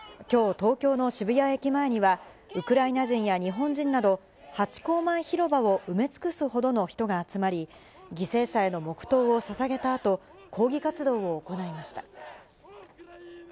きょう、東京の渋谷駅前には、ウクライナ人や日本人など、ハチ公前広場を埋め尽くすほどの人が集まり、犠牲者への黙とうをささげたあと、抗議活動を行いました。